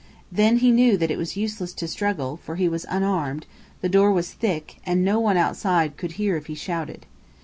Then he knew that it was useless to struggle, for he was unarmed, the door was thick, and no one outside could hear if he shouted.